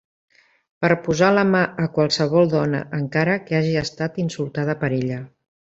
Per posar la mà a qualsevol dona encara que hagi estat insultada per ella.